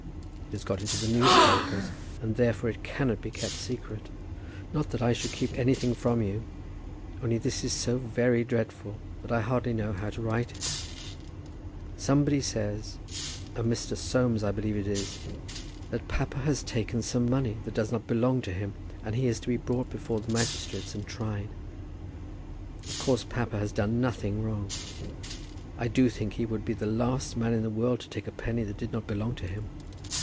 It has got into the newspapers, and therefore it cannot be kept secret. Not that I should keep anything from you; only this is so very dreadful that I hardly know how to write it. Somebody says, a Mr. Soames, I believe it is, that papa has taken some money that does not belong to him, and he is to be brought before the magistrates and tried. Of course, papa has done nothing wrong. I do think he would be the last man in the world to take a penny that did not belong to him.